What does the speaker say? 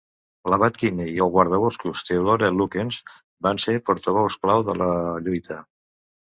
L'abat Kinney i el guardaboscos Theodore Lukens van ser portaveus clau de la lluita.